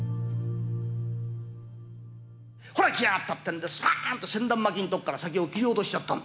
ほら来やがったってんでスパーンと千段巻の所から先を切り落としちゃったの。